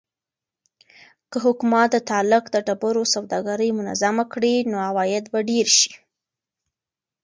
که حکومت د تالک د ډبرو سوداګري منظمه کړي نو عواید به ډېر شي.